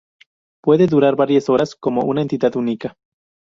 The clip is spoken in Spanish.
Puede durar varias horas como una entidad única.